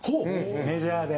メジャーで。